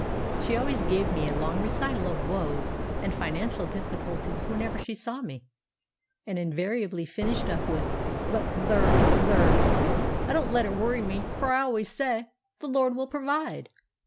She always gave me a long recital of woes and financial difficulties whenever she saw me, and invariably finished up with, "But thur, thur, I don't let it worry me, for I always say, 'The Lord will provide.